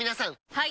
はい！